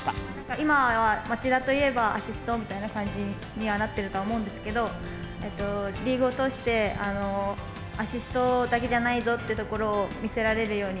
今は町田といえばアシストみたいな感じにはなってるとは思うんですけど、リーグを通して、アシストだけじゃないぞってところを見せられるように。